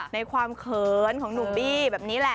ในความเขินของหนุ่มบี้แบบนี้แหละ